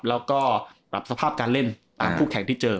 แล้วก็ปรับสภาพการเล่นตามคู่แข่งที่เจอ